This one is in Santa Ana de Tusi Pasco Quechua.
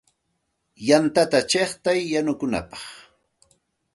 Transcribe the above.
Yantata chiqtay yanukunapaq.